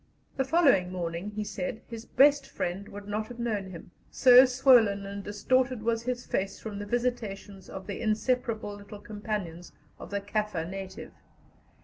The following morning, he said, his best friend would not have known him, so swollen and distorted was his face from the visitations of the inseparable little companions of the Kaffir native.